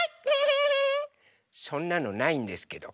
そんなのないんですけど。